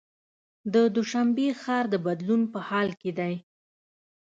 د دوشنبې ښار د بدلون په حال کې دی.